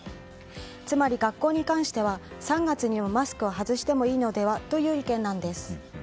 つまり、学校に関しては３月にはマスクを外してもいいのではという意見なんです。